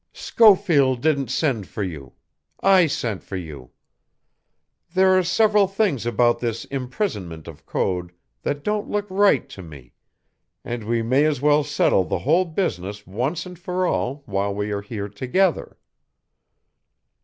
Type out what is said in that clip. "Schofield didn't send for you I sent for you. There are several things about this imprisonment of Code that don't look right to me, and we may as well settle the whole business once and for all while we are here together.